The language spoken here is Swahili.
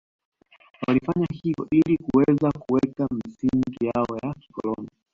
Walifanya hivyo ili kuweza kuweka misingi yao ya kikoloni